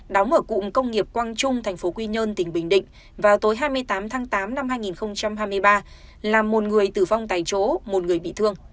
đóng ở cụm công nghiệp quang trung tp quy nhơn tỉnh bình định vào tối hai mươi tám tháng tám năm hai nghìn hai mươi ba làm một người tử vong tại chỗ một người bị thương